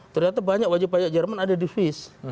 ternyata banyak wajib pajak jerman ada di fish